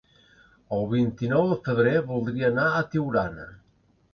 El vint-i-nou de febrer voldria anar a Tiurana.